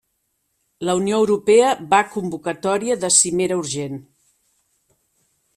La Unió Europea va convocatòria de cimera urgent.